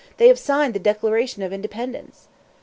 "They have signed the Declaration of Independence."